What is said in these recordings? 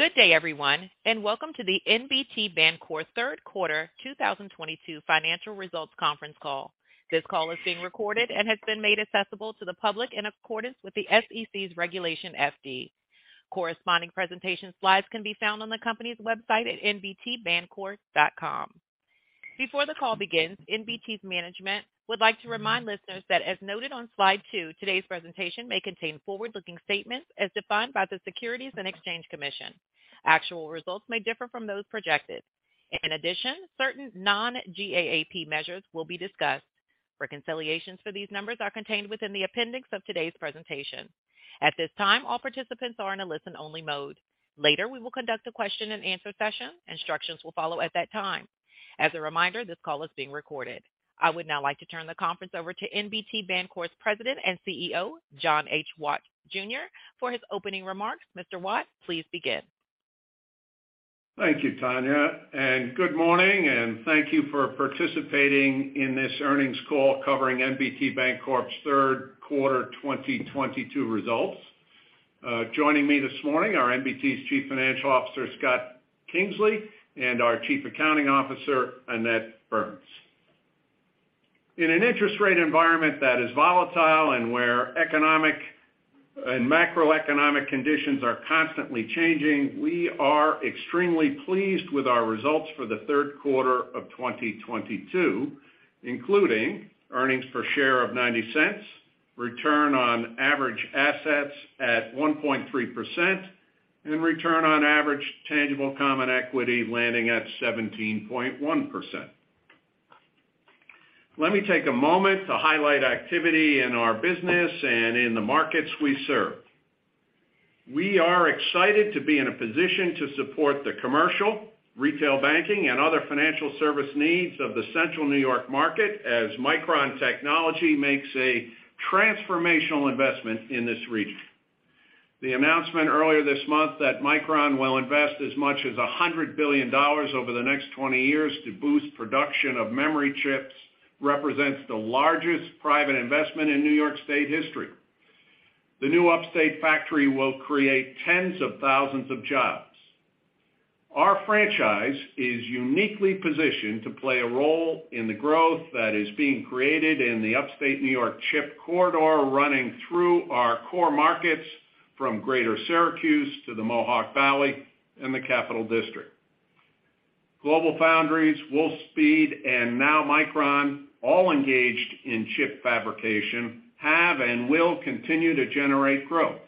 Good day, everyone, and welcome to the NBT Bancorp third quarter 2022 financial results conference call. This call is being recorded and has been made accessible to the public in accordance with the SEC's Regulation FD. Corresponding presentation slides can be found on the company's website at nbtbancorp.com. Before the call begins, NBT's management would like to remind listeners that, as noted on slide two, today's presentation may contain forward-looking statements as defined by the Securities and Exchange Commission. Actual results may differ from those projected. In addition, certain non-GAAP measures will be discussed. Reconciliations for these numbers are contained within the appendix of today's presentation. At this time, all participants are in a listen-only mode. Later, we will conduct a question-and-answer session. Instructions will follow at that time. As a reminder, this call is being recorded.I would now like to turn the conference over to NBT Bancorp's President and CEO, John H. Watt Jr. for his opening remarks. Mr. Watt, please begin. Thank you, Tanya, and good morning, and thank you for participating in this earnings call covering NBT Bancorp's third quarter 2022 results. Joining me this morning are NBT's Chief Financial Officer, Scott Kingsley, and our Chief Accounting Officer, Annette Burns. In an interest rate environment that is volatile and where economic and macroeconomic conditions are constantly changing, we are extremely pleased with our results for the third quarter of 2022, including earnings per share of $0.90, return on average assets at 1.3%, and return on average tangible common equity landing at 17.1%. Let me take a moment to highlight activity in our business and in the markets we serve. We are excited to be in a position to support the commercial, retail banking, and other financial service needs of the Central New York market as Micron Technology makes a transformational investment in this region. The announcement earlier this month that Micron will invest as much as $100 billion over the next 20 years to boost production of memory chips represents the largest private investment in New York state history. The new upstate factory will create tens of thousands of jobs. Our franchise is uniquely positioned to play a role in the growth that is being created in the upstate New York chip corridor running through our core markets from Greater Syracuse to the Mohawk Valley and the Capital District. GlobalFoundries, Wolfspeed, and now Micron, all engaged in chip fabrication, have and will continue to generate growth.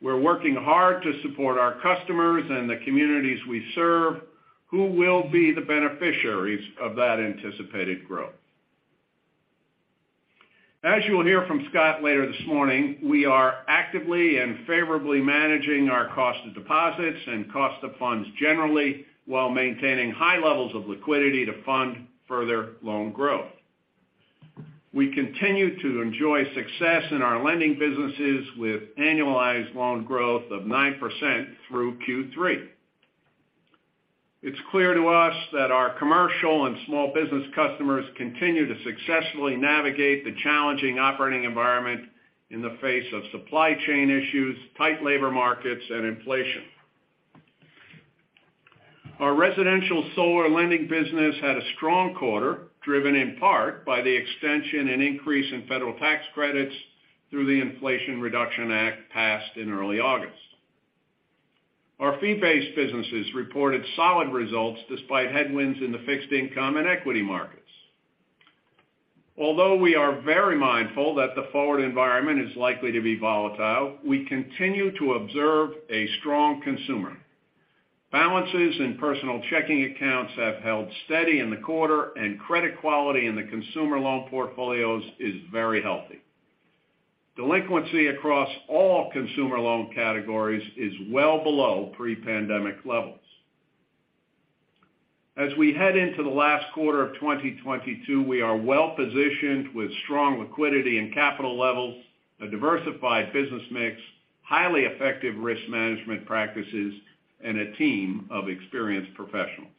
We're working hard to support our customers and the communities we serve who will be the beneficiaries of that anticipated growth. As you will hear from Scott later this morning, we are actively and favorably managing our cost of deposits and cost of funds generally, while maintaining high levels of liquidity to fund further loan growth. We continue to enjoy success in our lending businesses with annualized loan growth of 9% through Q3. It's clear to us that our commercial and small business customers continue to successfully navigate the challenging operating environment in the face of supply chain issues, tight labor markets, and inflation. Our residential solar lending business had a strong quarter, driven in part by the extension and increase in federal tax credits through the Inflation Reduction Act passed in early August. Our fee-based businesses reported solid results despite headwinds in the fixed income and equity markets. Although we are very mindful that the forward environment is likely to be volatile, we continue to observe a strong consumer. Balances in personal checking accounts have held steady in the quarter, and credit quality in the consumer loan portfolios is very healthy. Delinquency across all consumer loan categories is well below pre-pandemic levels. As we head into the last quarter of 2022, we are well positioned with strong liquidity and capital levels, a diversified business mix, highly effective risk management practices, and a team of experienced professionals.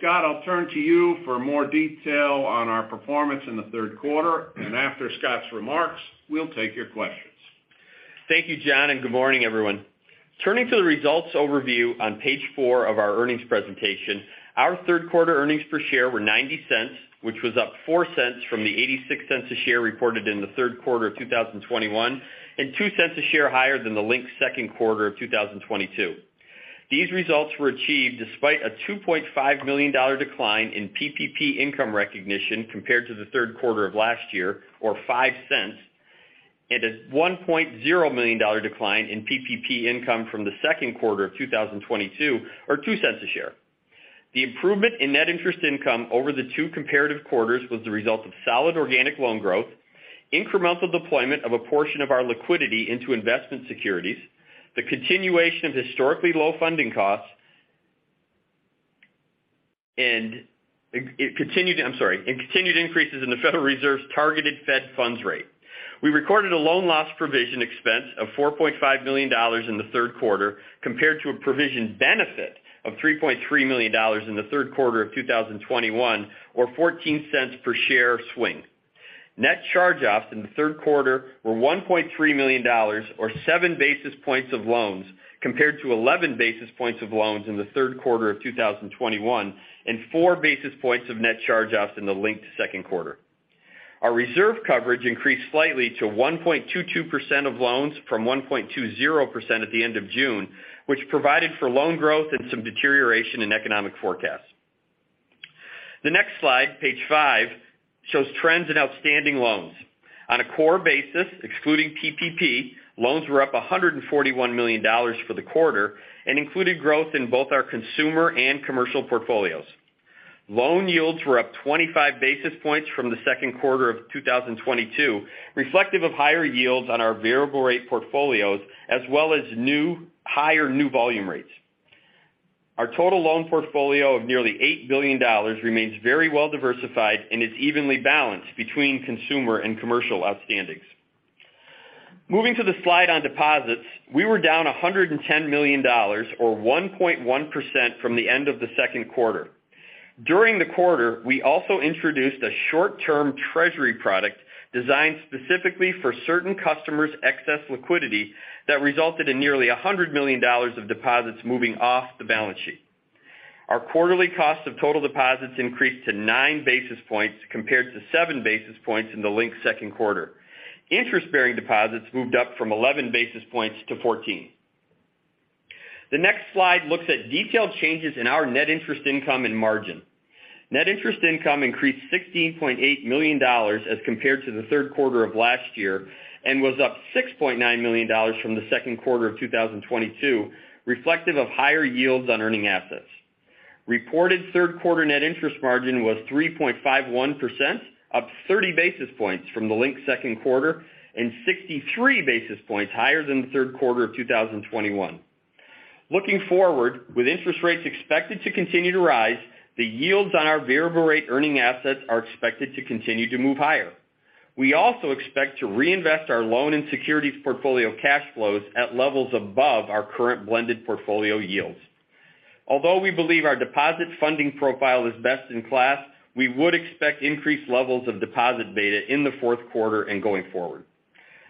Scott, I'll turn to you for more detail on our performance in the third quarter, and after Scott's remarks, we'll take your questions. Thank you, John, and good morning, everyone. Turning to the results overview on page four of our earnings presentation. Our third quarter earnings per share were $0.90, which was up $0.04 from the $0.86 a share reported in the third quarter of 2021 and $0.02 a share higher than the linked second quarter of 2022. These results were achieved despite a $2.5 million decline in PPP income recognition compared to the third quarter of last year or $0.05 and a $1.0 million decline in PPP income from the second quarter of 2022 or $0.02 a share. The improvement in net interest income over the two comparative quarters was the result of solid organic loan growth, incremental deployment of a portion of our liquidity into investment securities, the continuation of historically low funding costs and continued increases in the Federal Reserve's targeted Federal funds rate. We recorded a loan loss provision expense of $4.5 million in the third quarter compared to a provision benefit of $3.3 million in the third quarter of 2021 or 14 cents per share swing. Net charge-offs in the third quarter were $1.3 million or 7 basis points of loans, compared to 11 basis points of loans in the third quarter of 2021, and 4 basis points of net charge-offs in the linked second quarter. Our reserve coverage increased slightly to 1.22% of loans from 1.20% at the end of June, which provided for loan growth and some deterioration in economic forecasts. The next slide, page five, shows trends in outstanding loans. On a core basis, excluding PPP, loans were up $141 million for the quarter and included growth in both our consumer and commercial portfolios. Loan yields were up 25 basis points from the second quarter of 2022, reflective of higher yields on our variable rate portfolios as well as higher new volume rates. Our total loan portfolio of nearly $8 billion remains very well-diversified and is evenly balanced between consumer and commercial outstandings. Moving to the slide on deposits, we were down $110 million or 1.1% from the end of the second quarter. During the quarter, we also introduced a short-term treasury product designed specifically for certain customers' excess liquidity that resulted in nearly $100 million of deposits moving off the balance sheet. Our quarterly cost of total deposits increased to 9 basis points compared to 7 basis points in the linked second quarter. Interest-bearing deposits moved up from 11 basis points to 14. The next slide looks at detailed changes in our net interest income and margin. Net interest income increased $16.8 million as compared to the third quarter of last year and was up $6.9 million from the second quarter of 2022, reflective of higher yields on earning assets. Reported third quarter net interest margin was 3.51%, up 30 basis points from the linked second quarter and 63 basis points higher than the third quarter of 2021. Looking forward, with interest rates expected to continue to rise, the yields on our variable rate earning assets are expected to continue to move higher. We also expect to reinvest our loan and securities portfolio cash flows at levels above our current blended portfolio yields. Although we believe our deposit funding profile is best-in-class, we would expect increased levels of deposit beta in the fourth quarter and going forward.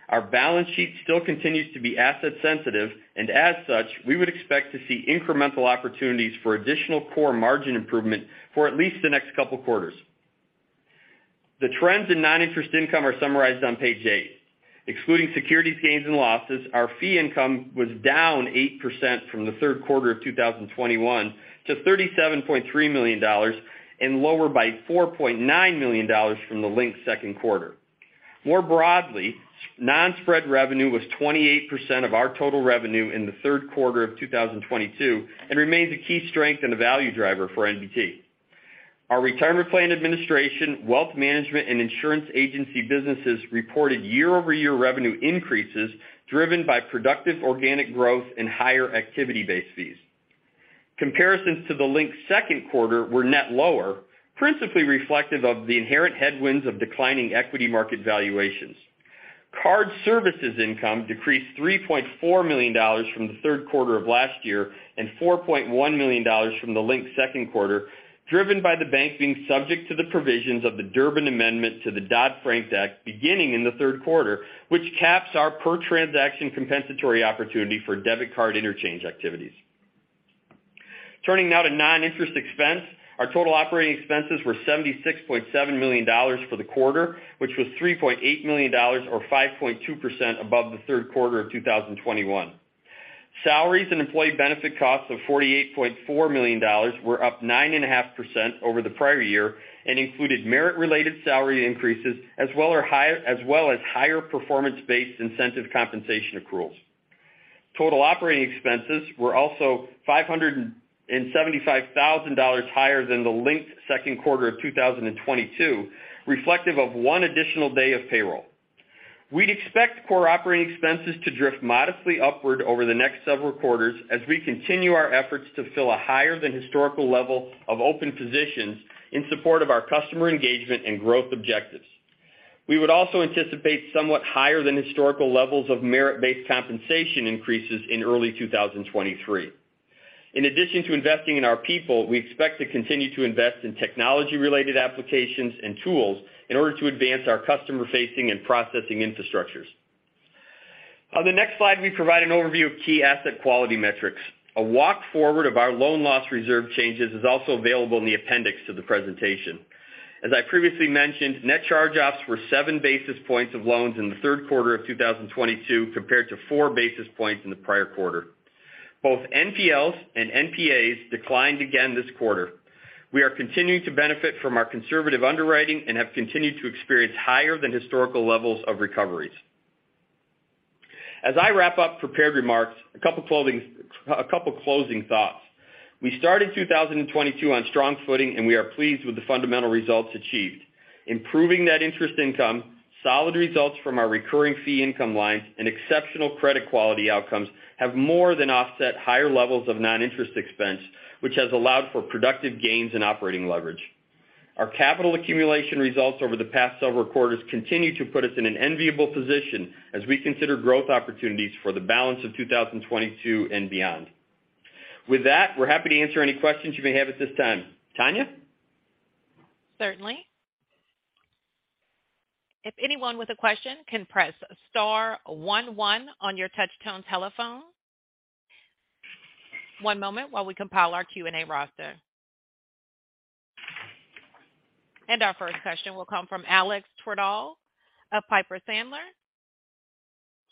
Our balance sheet still continues to be asset sensitive, and as such, we would expect to see incremental opportunities for additional core margin improvement for at least the next couple quarters. The trends in non-interest income are summarized on page 8. Excluding securities gains and losses, our fee income was down 8% from the third quarter of 2021 to $37.3 million and lower by $4.9 million from the linked second quarter. More broadly, non-spread revenue was 28% of our total revenue in the third quarter of 2022 and remains a key strength and a value driver for NBT. Our retirement plan administration, wealth management, and insurance agency businesses reported year-over-year revenue increases driven by productive organic growth and higher activity-based fees. Comparisons to the linked second quarter were net lower, principally reflective of the inherent headwinds of declining equity market valuations. Card services income decreased $3.4 million from the third quarter of last year and $4.1 million from the linked second quarter, driven by the bank being subject to the provisions of the Durbin Amendment to the Dodd-Frank Act beginning in the third quarter, which caps our per-transaction compensatory opportunity for debit card interchange activities. Turning now to non-interest expense. Our total operating expenses were $76.7 million for the quarter, which was $3.8 million or 5.2% above the third quarter of 2021. Salaries and employee benefit costs of $48.4 million were up 9.5% over the prior year and included merit-related salary increases as well as higher performance-based incentive compensation accruals. Total operating expenses were also $575,000 higher than the linked second quarter of 2022, reflective of one additional day of payroll. We'd expect core operating expenses to drift modestly upward over the next several quarters as we continue our efforts to fill a higher than historical level of open positions in support of our customer engagement and growth objectives. We would also anticipate somewhat higher than historical levels of merit-based compensation increases in early 2023. In addition to investing in our people, we expect to continue to invest in technology-related applications and tools in order to advance our customer-facing and processing infrastructures. On the next slide, we provide an overview of key asset quality metrics. A walk-forward of our loan loss reserve changes is also available in the appendix to the presentation. As I previously mentioned, net charge-offs were 7 basis points of loans in the third quarter of 2022, compared to 4 basis points in the prior quarter. Both NPLs and NPAs declined again this quarter. We are continuing to benefit from our conservative underwriting and have continued to experience higher than historical levels of recoveries. As I wrap up prepared remarks, a couple closing thoughts. We started 2022 on strong footing, and we are pleased with the fundamental results achieved. Improving net interest income, solid results from our recurring fee income lines, and exceptional credit quality outcomes have more than offset higher levels of non-interest expense, which has allowed for productive gains and operating leverage. Our capital accumulation results over the past several quarters continue to put us in an enviable position as we consider growth opportunities for the balance of 2022 and beyond. With that, we're happy to answer any questions you may have at this time. Tanya? Certainly. If anyone with a question can press star one one on your touchtone telephone. One moment while we compile our Q&A roster. Our first question will come from Alex Twerdahl of Piper Sandler.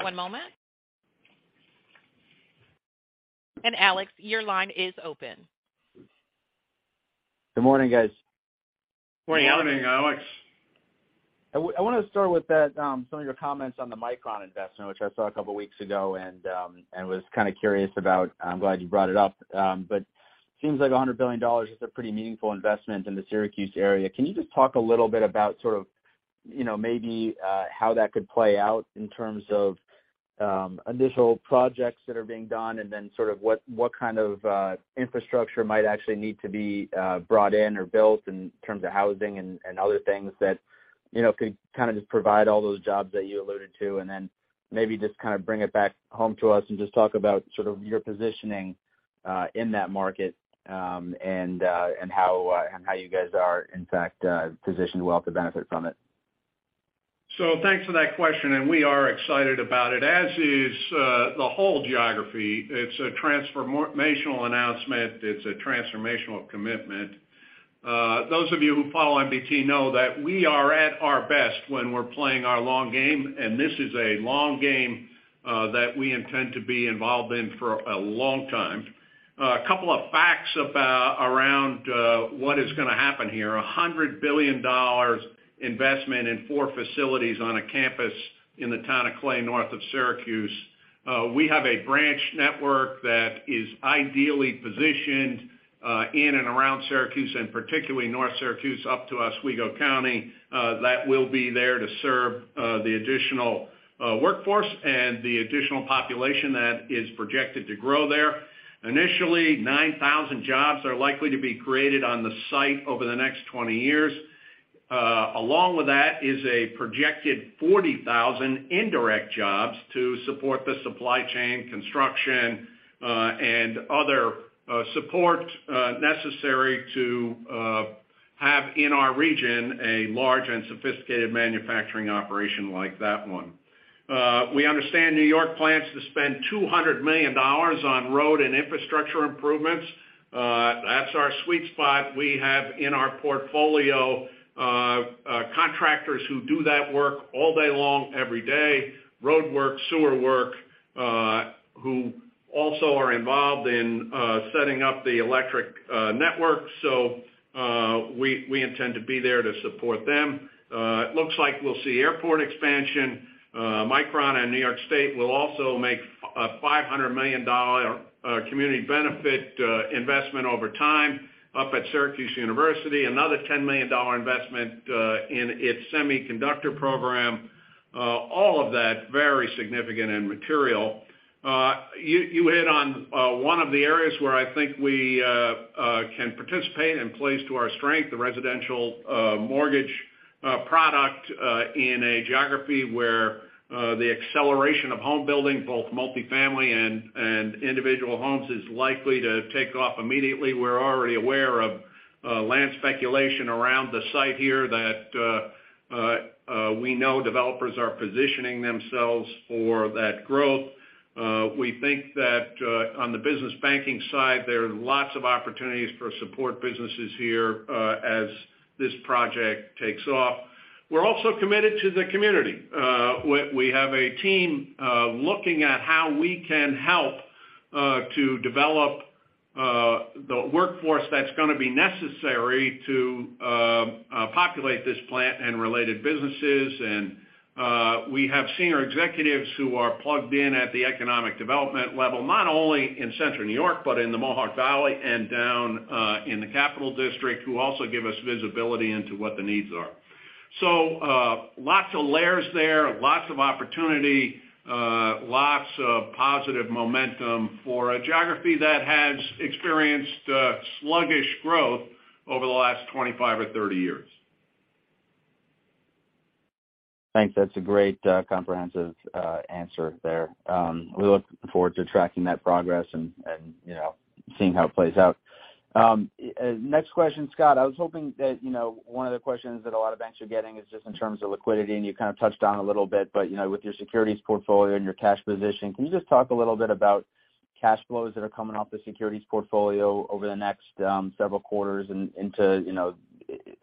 One moment. Alex, your line is open. Good morning, guys. Morning, Alex. I wanna start with that, some of your comments on the Micron investment, which I saw a couple weeks ago, and was kind of curious about. I'm glad you brought it up. Seems like $100 billion is a pretty meaningful investment in the Syracuse area. Can you just talk a little bit about sort of, you know, maybe, how that could play out in terms of, initial projects that are being done, and then sort of what kind of, infrastructure might actually need to be, brought in or built in terms of housing and, other things that, you know, could kind of just provide all those jobs that you alluded to. Maybe just kind of bring it back home to us and just talk about sort of your positioning in that market and how you guys are, in fact, positioned well to benefit from it. Thanks for that question, and we are excited about it, as is the whole geography. It's a transformational announcement. It's a transformational commitment. Those of you who follow NBT know that we are at our best when we're playing our long game, and this is a long game that we intend to be involved in for a long time. A couple of facts about around what is gonna happen here. $100 billion investment in four facilities on a campus in the town of Clay, north of Syracuse. We have a branch network that is ideally positioned in and around Syracuse, and particularly north Syracuse, up to Oswego County, that will be there to serve the additional workforce and the additional population that is projected to grow there. Initially, 9,000 jobs are likely to be created on the site over the next 20 years. Along with that is a projected 40,000 indirect jobs to support the supply chain, construction, and other, support, necessary to, have in our region a large and sophisticated manufacturing operation like that one. We understand New York plans to spend $200 million on road and infrastructure improvements. That's our sweet spot. We have in our portfolio, contractors who do that work all day long, every day, road work, sewer work, who also are involved in, setting up the electric network. We intend to be there to support them. It looks like we'll see airport expansion. Micron and New York State will also make $500 million community benefit investment over time up at Syracuse University, another $10 million investment in its semiconductor program. All of that very significant and material. You hit on one of the areas where I think we can participate and plays to our strength, the residential mortgage product in a geography where the acceleration of home building, both multifamily and individual homes, is likely to take off immediately. We're already aware of land speculation around the site here that we know developers are positioning themselves for that growth. We think that on the business banking side, there are lots of opportunities for support businesses here as this project takes off. We're also committed to the community. We have a team looking at how we can help to develop the workforce that's gonna be necessary to populate this plant and related businesses. We have senior executives who are plugged in at the economic development level, not only in Central New York, but in the Mohawk Valley and down in the Capital District, who also give us visibility into what the needs are. Lots of layers there, lots of opportunity, lots of positive momentum for a geography that has experienced sluggish growth over the last 25 or 30 years. Thanks. That's a great comprehensive answer there. We look forward to tracking that progress and you know, seeing how it plays out. Next question, Scott. I was hoping that, you know, one of the questions that a lot of banks are getting is just in terms of liquidity, and you kind of touched on a little bit, but, you know, with your securities portfolio and your cash position, can you just talk a little bit about cash flows that are coming off the securities portfolio over the next several quarters and into, you know,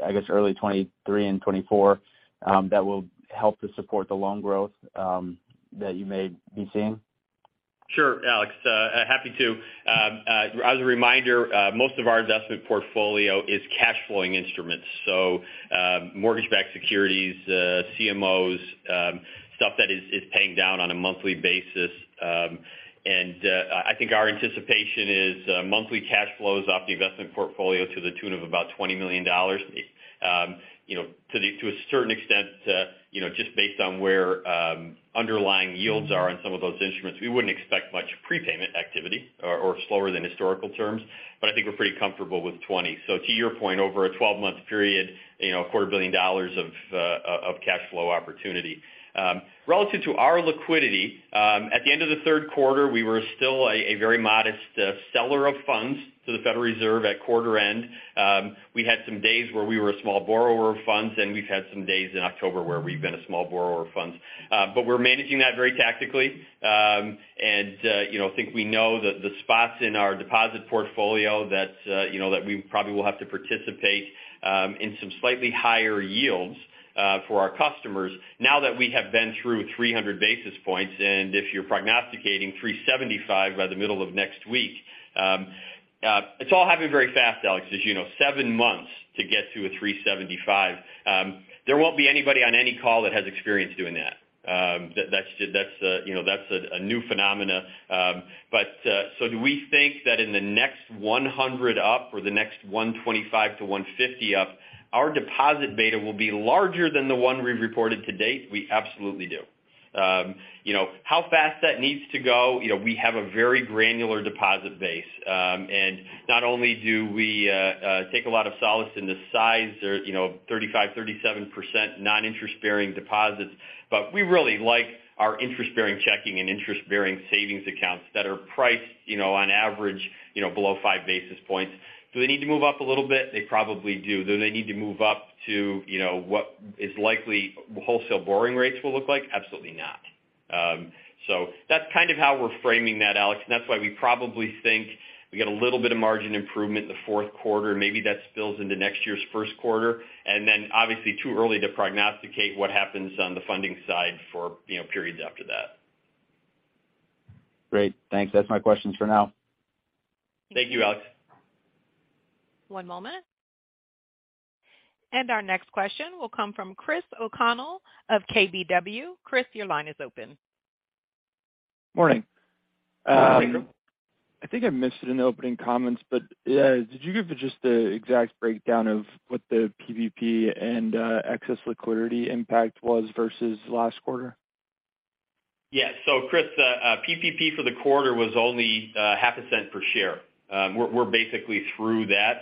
I guess early 2023 and 2024, that will help to support the loan growth that you may be seeing? Sure, Alex. Happy to. As a reminder, most of our investment portfolio is cash flowing instruments. Mortgage-backed securities, CMOs, stuff that is paying down on a monthly basis. I think our anticipation is monthly cash flows off the investment portfolio to the tune of about $20 million. You know, to a certain extent, you know, just based on where underlying yields are on some of those instruments, we wouldn't expect much prepayment activity or slower than historical terms. I think we're pretty comfortable with 20. To your point, over a 12-month period, you know, a quarter billion dollars of cash flow opportunity. Relative to our liquidity, at the end of the third quarter, we were still a very modest seller of funds to the Federal Reserve at quarter end. We had some days where we were a small borrower of funds, and we've had some days in October where we've been a small borrower of funds. We're managing that very tactically. You know, I think we know the spots in our deposit portfolio that you know that we probably will have to participate in some slightly higher yields for our customers now that we have been through 300 basis points. If you're prognosticating 3.75 by the middle of next week, it's all happening very fast, Alex, as you know, seven months to get to a 3.75. There won't be anybody on any call that has experience doing that. That's just, you know, a new phenomenon. Do we think that in the next 100 up or the next 125-150 up, our deposit beta will be larger than the one we've reported to date? We absolutely do. You know, how fast that needs to go, you know, we have a very granular deposit base. Not only do we take a lot of solace in the size or, you know, 35%-37% non-interest bearing deposits, but we really like our interest-bearing checking and interest-bearing savings accounts that are priced, you know, on average, you know, below 5 basis points. Do they need to move up a little bit? They probably do. Do they need to move up to, you know, what is likely wholesale borrowing rates will look like? Absolutely not. That's kind of how we're framing that, Alex. That's why we probably think we get a little bit of margin improvement in the fourth quarter. Maybe that spills into next year's first quarter. Obviously too early to prognosticate what happens on the funding side for, you know, periods after that. Great. Thanks. That's my questions for now. Thank you, Alex. One moment. Our next question will come from Chris O'Connell of KBW. Chris, your line is open. Morning. Good morning. I think I missed it in the opening comments, but did you give just the exact breakdown of what the PPP and excess liquidity impact was versus last quarter? Yeah. Chris, PPP for the quarter was only half a cent per share. We're basically through that.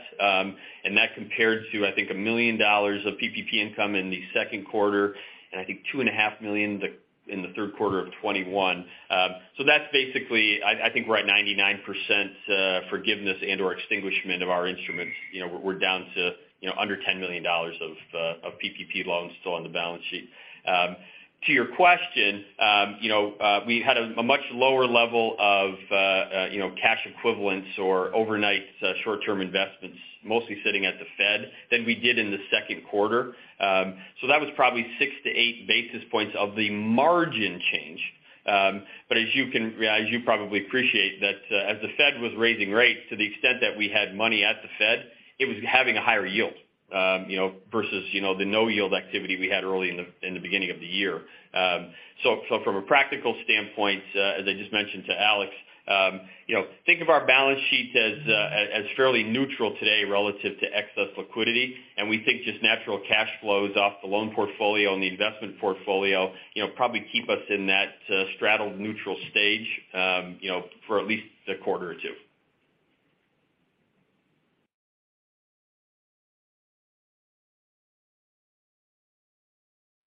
That compared to, I think, $1 million of PPP income in the second quarter, and I think $2.5 million in the third quarter of 2021. That's basically I think we're at 99% forgiveness and, or extinguishment of our instruments. You know, we're down to, you know, under $10 million of PPP loans still on the balance sheet. To your question, you know, we had a much lower level of, you know, cash equivalents or overnight short-term investments, mostly sitting at the Fed than we did in the second quarter. That was probably 6-8 basis points of the margin change. As you probably appreciate that, as the Fed was raising rates, to the extent that we had money at the Fed, it was having a higher yield, you know, versus, you know, the no yield activity we had early in the beginning of the year. So from a practical standpoint, as I just mentioned to Alex, you know, think of our balance sheet as fairly neutral today relative to excess liquidity. We think just natural cash flows off the loan portfolio and the investment portfolio, you know, probably keep us in that straddled neutral stage, you know, for at least a quarter or two.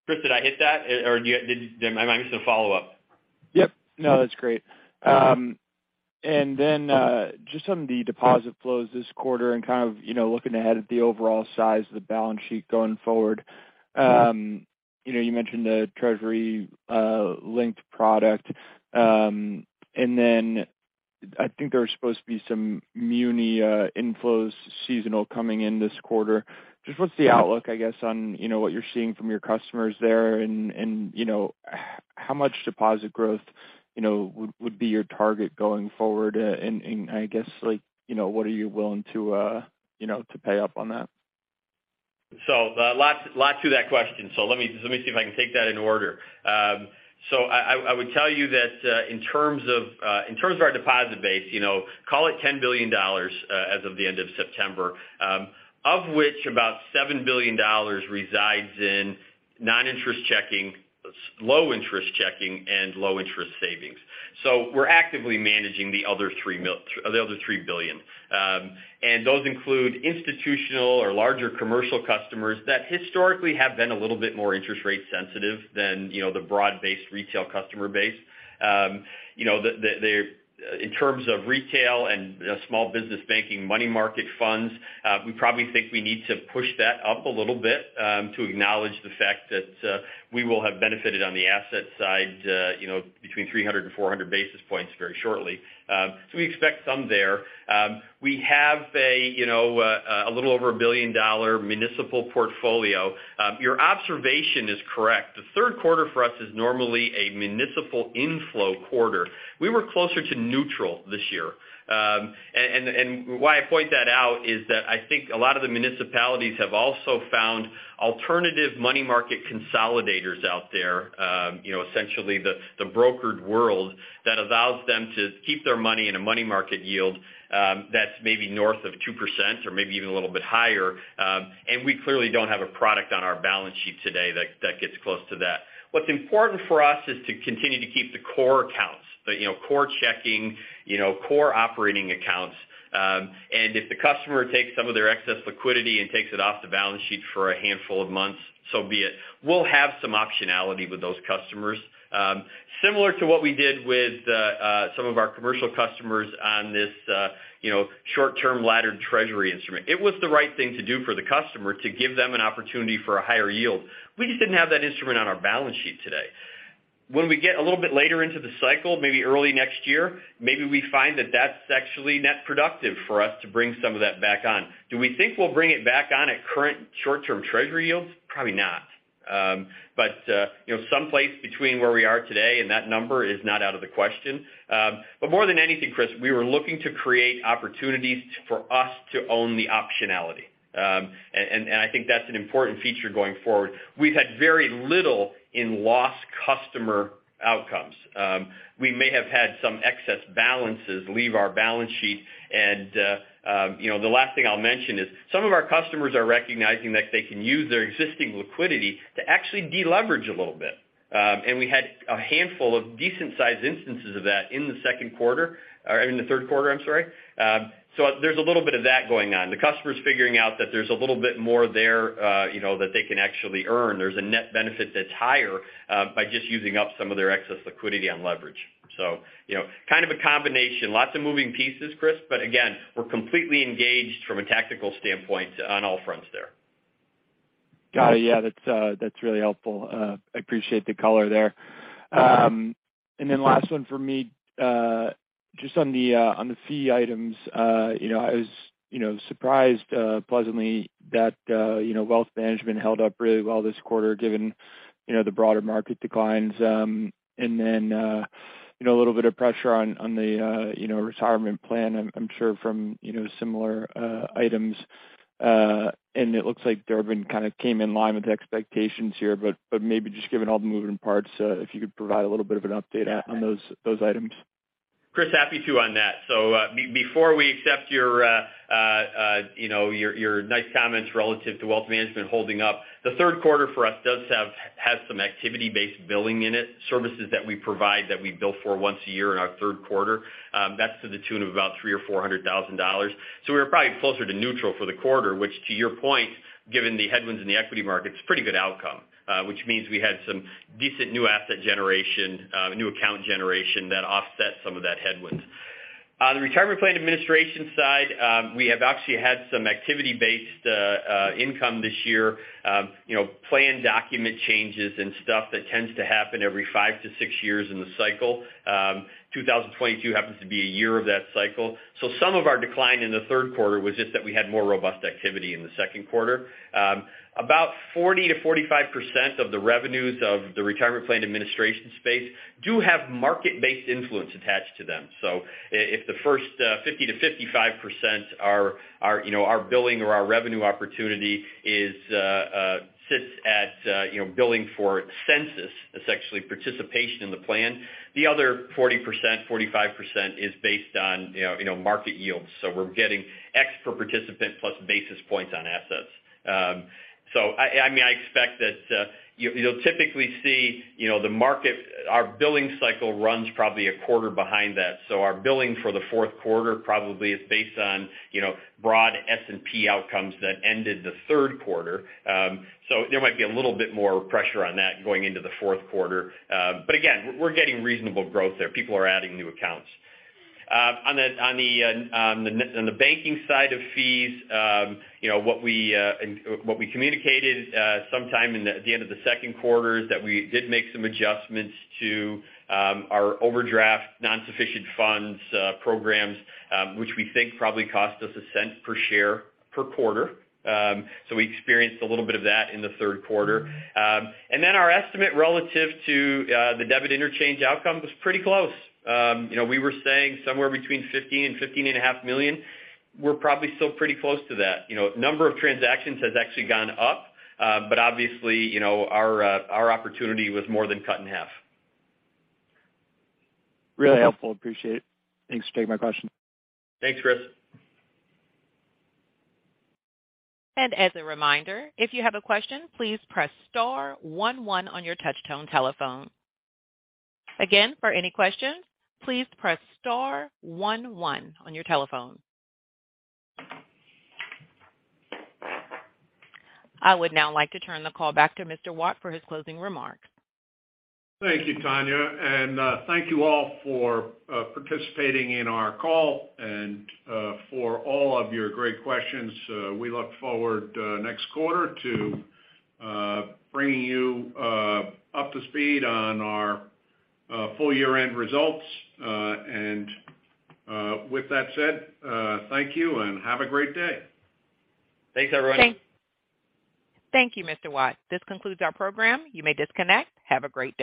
Chris, did I hit that? Or am I missing a follow-up? Yep. No, that's great. Just on the deposit flows this quarter and kind of, you know, looking ahead at the overall size of the balance sheet going forward. You know, you mentioned the Treasury-linked product. I think there was supposed to be some muni inflows seasonal coming in this quarter. Just what's the outlook, I guess, on, you know, what you're seeing from your customers there and, you know, how much deposit growth, you know, would be your target going forward? I guess, like, you know, what are you willing to, you know, to pay up on that? Lots to that question. Let me see if I can take that in order. I would tell you that in terms of our deposit base, you know, call it $10 billion as of the end of September, of which about $7 billion resides in non-interest checking, low interest checking, and low interest savings. We're actively managing the other $3 billion. And those include institutional or larger commercial customers that historically have been a little bit more interest rate sensitive than, you know, the broad-based retail customer base. You know, in terms of retail and small business banking money market funds, we probably think we need to push that up a little bit, to acknowledge the fact that we will have benefited on the asset side, you know, between 300 and 400 basis points very shortly. So we expect some there. We have, you know, a little over a $1 billion municipal portfolio. Your observation is correct. The third quarter for us is normally a municipal inflow quarter. We were closer to neutral this year. Why I point that out is that I think a lot of the municipalities have also found alternative money market consolidators out there, you know, essentially the brokered world that allows them to keep their money in a money market yield, that's maybe north of 2% or maybe even a little bit higher. We clearly don't have a product on our balance sheet today that gets close to that. What's important for us is to continue to keep the core accounts, you know, core checking, you know, core operating accounts. If the customer takes some of their excess liquidity and takes it off the balance sheet for a handful of months, so be it. We'll have some optionality with those customers. Similar to what we did with some of our commercial customers on this, you know, short-term laddered Treasury instrument. It was the right thing to do for the customer to give them an opportunity for a higher yield. We just didn't have that instrument on our balance sheet today. When we get a little bit later into the cycle, maybe early next year, maybe we find that that's actually net productive for us to bring some of that back on. Do we think we'll bring it back on at current short-term Treasury yields? Probably not. You know, someplace between where we are today and that number is not out of the question. More than anything, Chris, we were looking to create opportunities for us to own the optionality. I think that's an important feature going forward. We've had very little in lost customer outcomes. We may have had some excess balances leave our balance sheet. You know, the last thing I'll mention is some of our customers are recognizing that they can use their existing liquidity to actually deleverage a little bit. We had a handful of decent-sized instances of that in the second quarter, or in the third quarter, I'm sorry. There's a little bit of that going on. The customer's figuring out that there's a little bit more there, you know, that they can actually earn. There's a net benefit that's higher by just using up some of their excess liquidity on leverage. You know, kind of a combination. Lots of moving pieces, Chris, but again, we're completely engaged from a tactical standpoint on all fronts there. Got it. Yeah. That's really helpful. I appreciate the color there. Last one for me. Just on the fee items. You know, I was surprised pleasantly that wealth management held up really well this quarter, given the broader market declines. A little bit of pressure on the retirement plan, I'm sure from similar items. It looks like Durbin kind of came in line with the expectations here, but maybe just given all the moving parts, if you could provide a little bit of an update on those items. Chris, happy to comment on that. Before we accept your, you know, nice comments relative to wealth management holding up, the third quarter for us has some activity-based billing in it. Services that we provide that we bill for once a year in our third quarter. That's to the tune of about $300,000-$400,000. We were probably closer to neutral for the quarter, which, to your point, given the headwinds in the equity markets, pretty good outcome. Which means we had some decent new asset generation, new account generation that offset some of that headwinds. On the retirement plan administration side, we have actually had some activity-based income this year. You know, plan document changes and stuff that tends to happen every 5-6 years in the cycle. 2022 happens to be a year of that cycle. Some of our decline in the third quarter was just that we had more robust activity in the second quarter. About 40%-45% of the revenues of the retirement plan administration space do have market-based influence attached to them. If the first 50%-55% are, you know, our billing or our revenue opportunity is, sits at, you know, billing for census, that's actually participation in the plan. The other 40%-45% is based on, you know, market yields. We're getting X per participant plus basis points on assets. I mean, I expect that, you'll typically see, you know, the market, our billing cycle runs probably a quarter behind that. Our billing for the fourth quarter probably is based on, you know, broad S&P outcomes that ended the third quarter. There might be a little bit more pressure on that going into the fourth quarter. Again, we're getting reasonable growth there. People are adding new accounts. On the banking side of fees, you know, what we communicated sometime at the end of the second quarter is that we did make some adjustments to our overdraft non-sufficient funds programs, which we think probably cost us a cent per share per quarter. We experienced a little bit of that in the third quarter. Our estimate relative to the debit interchange outcome was pretty close. You know, we were saying somewhere between $15-$15.5 million. We're probably still pretty close to that. You know, number of transactions has actually gone up, but obviously, you know, our opportunity was more than cut in half. Really helpful. Appreciate it. Thanks for taking my question. Thanks, Chris. As a reminder, if you have a question, please press star one one on your touchtone telephone. Again, for any questions, please press star one one on your telephone. I would now like to turn the call back to Mr. Watt for his closing remarks. Thank you, Tanya, and thank you all for participating in our call and for all of your great questions. We look forward next quarter to bringing you up to speed on our full year-end results. With that said, thank you and have a great day. Thanks, everyone. Thank you, Mr. Watt. This concludes our program. You may disconnect. Have a great day.